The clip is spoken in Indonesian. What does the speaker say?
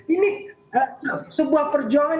ini sebuah perjuangan